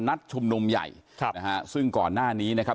นัดชุมนุมใหญ่ครับนะฮะซึ่งก่อนหน้านี้นะครับ